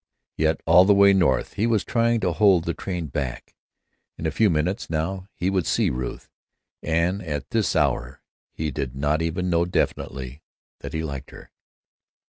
Yet all the way north he was trying to hold the train back. In a few minutes, now, he would see Ruth. And at this hour he did not even know definitely that he liked her.